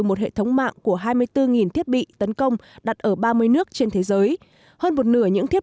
một hệ thống mạng của hai mươi bốn thiết bị tấn công đặt ở ba mươi nước trên thế giới hơn một nửa những thiết